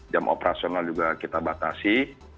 jam operasional juga kita batasi